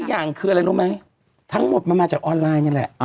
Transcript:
อีกอย่างคืออะไรรู้มั้ยทั้งหมดมาจากออนไลน์นั่นแหละ